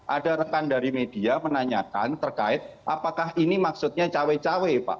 ada rekan dari media menanyakan terkait apakah ini maksudnya cawe cawe pak